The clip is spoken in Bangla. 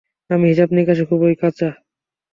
আমি হিসাব নিকাশে খুবই কাঁচা।